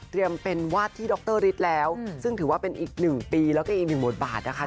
เตรียมเป็นวาที่โดคเตอร์ฤทธิ์แล้วซึ่งถือว่าเป็นอีกหนึ่งปีและก็อีก๑หมดบางนะคะ